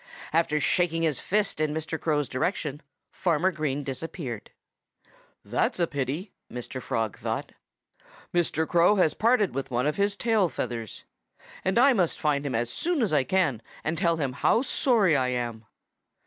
After shaking his fist in Mr. Crow's direction, Farmer Green disappeared. "That's a pity," Mr. Frog thought. "Mr. Crow has parted with one of his tail feathers. And I must find him as soon as I can and tell him how sorry I am."